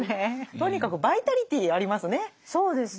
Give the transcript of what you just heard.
とにかくバイタリティーありますね。